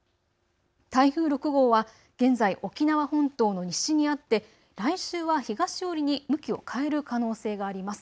台風６号は現在、沖縄本島の西にあって来週は東寄りに向きを変える可能性があります。